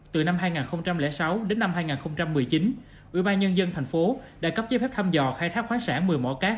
từ năm hai nghìn sáu đến năm hai nghìn một mươi chín quỹ bang dân dân thành phố đã cấp giới phép thăm dò khai thác khoáng sản một mươi mỏ cát